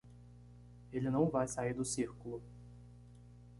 Ele não vai sair do círculo.